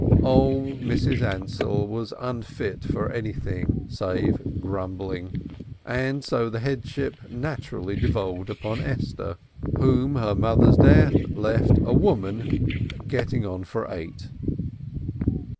Old Mrs. Ansell was unfit: for anything save grumbling, and so the headship naturally devolved upon Esther, whom her mother's death left a woman getting on for eight.